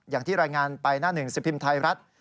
อย่างที่รายงานไปหน้าหนึ่งสปีมทัยรัฐ